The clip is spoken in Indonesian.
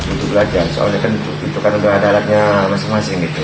untuk belajar soalnya kan itu kan udah ada alatnya masing masing gitu